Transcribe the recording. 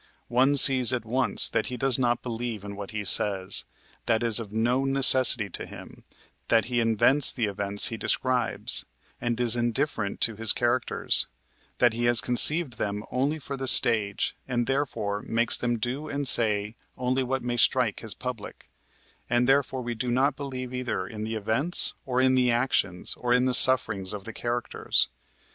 One sees at once that he does not believe in what he says, that it is of no necessity to him, that he invents the events he describes, and is indifferent to his characters that he has conceived them only for the stage and therefore makes them do and say only what may strike his public; and therefore we do not believe either in the events, or in the actions, or in the sufferings of the characters.